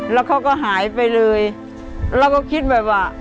แล้วเขาก็หายไปเลยเราก็คิดแบบว่า